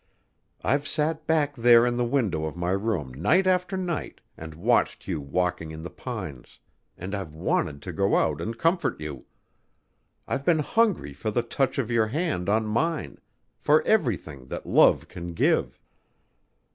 I've sat back there in the window of my room night after night and watched you walking in the pines, and I've wanted to go out and comfort you.... I've been hungry for the touch of your hand on mine ... for everything that love can give."